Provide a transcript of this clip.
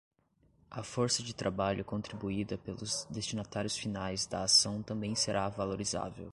A força de trabalho contribuída pelos destinatários finais da ação também será valorizável.